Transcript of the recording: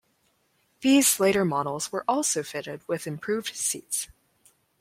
These later models were also fitted with improved seats.